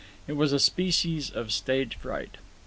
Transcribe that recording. It was a species of stage fright.